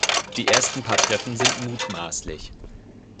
Die ersten paar Treffen sind mutmaßlich.